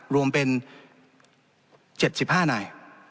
รวมเป็น๗๕นาย